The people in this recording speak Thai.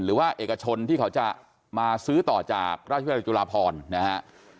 หรือว่าเอกชนที่เขาจะมาซื้อต่อจากราชวิทยาลัยจุฬาพรนะฮะ